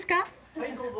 はい、どうぞ。